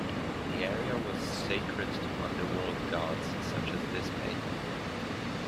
The area was sacred to underworld gods, such as Dis Pater.